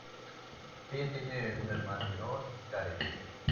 Ella tiene una hermana menor, Karen.